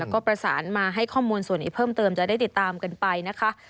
ก็ประสานมาให้ข้อมูลส่วนนี้เพิ่มเติมจะได้ติดตามกันไปนะคะ